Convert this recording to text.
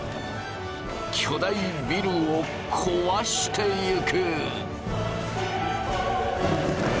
巨大ビルをこわしてゆく！